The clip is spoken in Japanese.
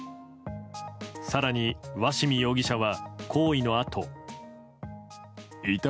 更に鷲見容疑者は行為のあと。